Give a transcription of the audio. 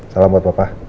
salam buat papa